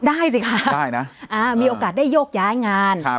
สิคะได้นะมีโอกาสได้โยกย้ายงาน